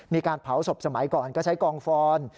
มีการเผาศพสมัยก่อนก็ใช้กองฟอน